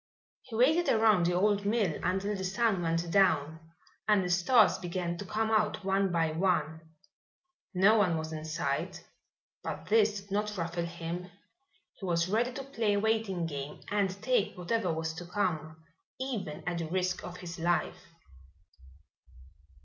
He waited around the old mill until the sun went down and the stars began to come out one by one. No one was in sight, but this did not ruffle him. He was ready to play a waiting game and take whatever was to come, even at the risk of his life.